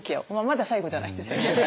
まだ最後じゃないですけどね。